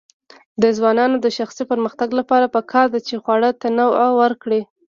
د ځوانانو د شخصي پرمختګ لپاره پکار ده چې خواړه تنوع ورکړي.